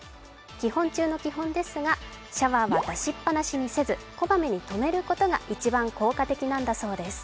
基本中の基本ですがシャワーは出しっぱなしにせずこまめに止めることが一番効果的なんだそうです。